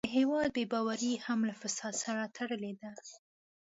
د هېواد بې باوري هم له فساد سره تړلې ده.